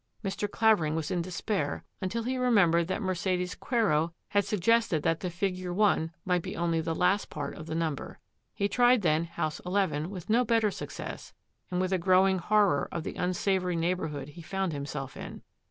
Mr. Clavering was in despair until he remembered that Mercedes Quero had suggested that the figure one might be only the last part of the number. He tried then house eleven with no better success and with a growing horror of the unsavoury neighbourhood he found himself in.